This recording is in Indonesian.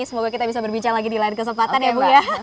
semoga kita bisa berbicara lagi di lain kesempatan ya bu ya